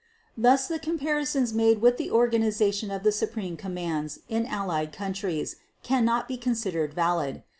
Thus the comparisons made with the organization of the supreme commands in Allied countries cannot be considered valid.